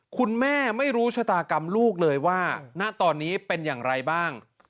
คุณแม่ไม่รู้ชะตากรรมลูกเลยว่าณตอนนี้เป็นอย่างไรบ้าง